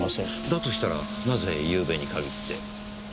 だとしたらなぜゆうべに限って。